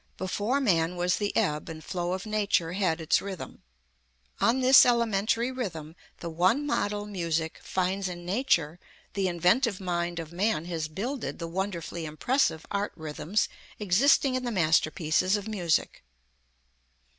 Before man was the ebb and flow of nature had its rhythm. On this elementary rhythm, the one model music finds in nature, the inventive mind of man has builded the wonderfully impressive art rhythms existing in the masterpieces of music.